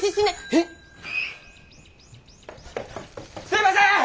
・え⁉・・すいません！